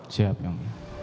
siap yang boleh